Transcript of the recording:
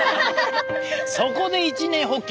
そこで一念発起。